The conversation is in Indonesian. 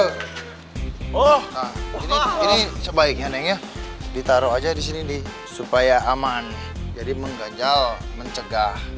oh ini sebaiknya nengnya ditaruh aja disini nih supaya aman jadi mengganjal mencegah